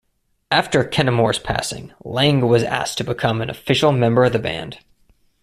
After Kennemore's passing, Lang was asked to become an official member of the band.